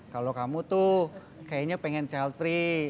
kalau kamu tuh kayaknya pengen child free